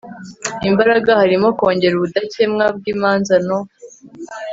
imbaraga harimo kongera ubudakemwa bw imanza no